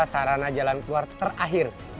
sarana jalan keluar terakhir